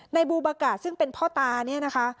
บูบากะซึ่งเป็นพ่อตาเนี่ยนะคะ